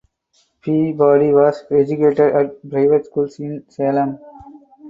Peabody was educated at private schools in Salem.